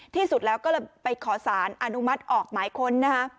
ที่สุดแล้วก็ไปขอสารอนุมัติออกหมายคน